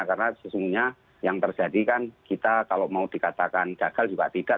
karena sesungguhnya yang terjadi kan kita kalau mau dikatakan gagal juga tidak